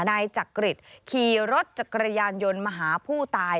นายจักริตขี่รถจักรยานยนต์มาหาผู้ตาย